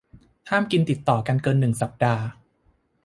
ห้ามกินติดต่อกันเกินหนึ่งสัปดาห์